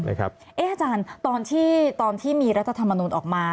อาจารย์ตอนที่มีรัฐธรรมนุนออกมา